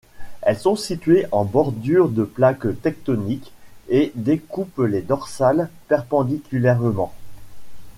Elles sont situées en bordure de plaques tectoniques et découpent les dorsales perpendiculairement.